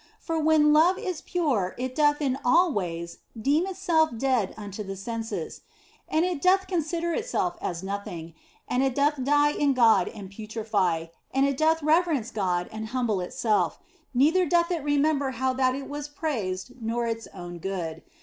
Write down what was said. For when love is pure it doth in all ways deem itself dead unto the senses ; and it doth consider itself as nothing and it doth die in God and putrefy, and it doth reverence God and humble itself, neither doth it remember how that it was praised nor its own good.